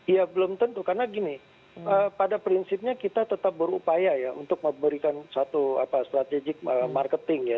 ya belum tentu karena gini pada prinsipnya kita tetap berupaya ya untuk memberikan satu strategic marketing ya